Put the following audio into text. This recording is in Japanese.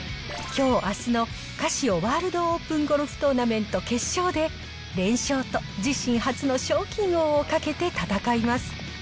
きょう、あすのカシオワールドオープンゴルフトーナメント決勝で、連勝と自身初の賞金王をかけて戦います。